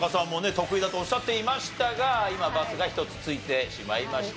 得意だとおっしゃっていましたが今バツが１つ付いてしまいました。